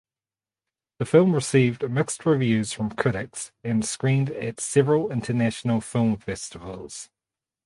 The film received mixed reviews from critics and screened at several international film festivals.